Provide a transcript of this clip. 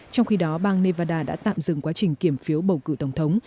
trong khi đó bang nevada đã tạm dừng quá trình kiểm phiếu bầu cử tổng thống